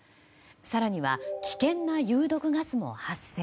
更には、危険な有毒ガスも発生。